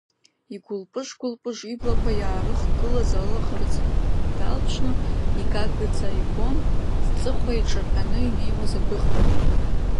Игәылпыж-гәылпыж иблақәа иаарыхгылаз алаӷырӡ далԥшны, игагаӡа ибон зҵыхәа иҿаҟьаны инеиуаз адәыӷба.